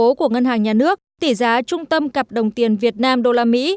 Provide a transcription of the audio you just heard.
tỷ giá của ngân hàng nhà nước tỷ giá trung tâm cặp đồng tiền việt nam đô la mỹ